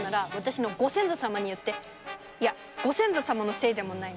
いやご先祖様のせいでもないな。